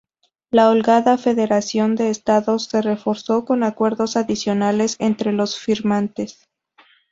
La holgada federación de Estados se reforzó con acuerdos adicionales entre los firmantes.